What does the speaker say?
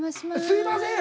すいません！